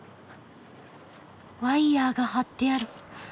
ワイヤーが張ってある。